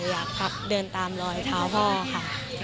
อยากเดินตามรอยเท้าพ่อค่ะ